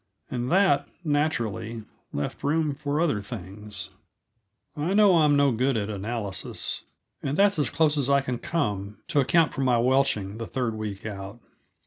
And that, naturally, left room for other things. I know I'm no good at analysis, and that's as close as I can come to accounting for my welching, the third week out.